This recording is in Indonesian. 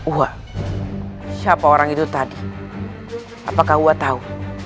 wah siapa orang itu tadi apakah gua tahu